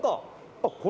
「あっこれ？」